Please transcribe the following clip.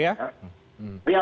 iya itu hukum pasaran